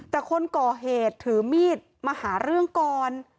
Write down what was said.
แต่คนก่อเหตุถือมีดมาหาเรื่องก่อน